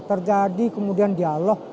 terjadi kemudian dialog